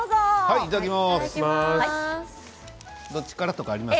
いただきます。